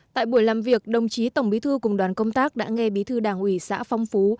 tại buổi làm việc đồng chí tổng bí thư cùng đoàn công tác đã nghe bí thư đảng ủy xã phong phú